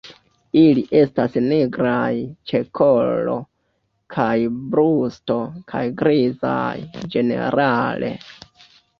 Ili estas nigraj ĉe kolo kaj brusto kaj grizaj ĝenerale.